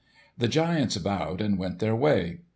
The giants bowed and went their way.